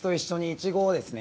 イチゴですね。